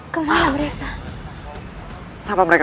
terserah ada mereka